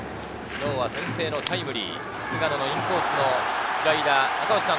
今日は先制のタイムリー、菅野のインコースのスライダー。